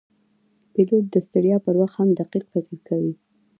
پیلوټ د ستړیا پر وخت هم دقیق فکر کوي.